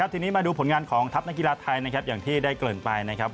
ทีนี้มาดูผลงานของทัพนักกีฬาไทยนะครับอย่างที่ได้เกริ่นไปนะครับ